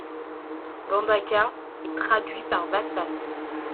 Bandaka est traduit par vassal.